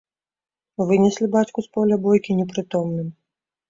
Вынеслі бацьку з поля бойкі непрытомным.